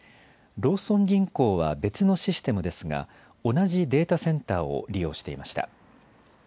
ローソン銀行は別のシステムですが同じデータセンターを利用していました。